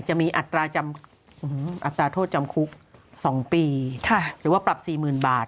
อัตราโทษจำคุก๒ปีหรือว่าปรับ๔๐๐๐บาท